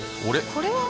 これは。